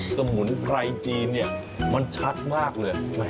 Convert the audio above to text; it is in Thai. สมุนไพรจีนมันชัดมากเลย